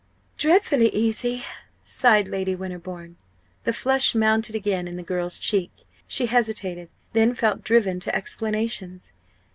"Dreadfully easy!" sighed Lady Winterbourne. The flush mounted again in the girl's cheek. She hesitated, then felt driven to explanations.